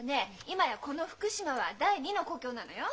今やこの福島は第二の故郷なのよ。